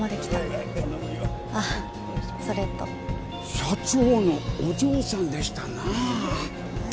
社長のお嬢さんでしたな。ははっ。